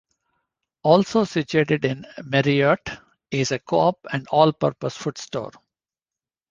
Also situated in Merriott is a Co-op and all-purpose food store.